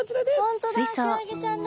本当だクラゲちゃんだ。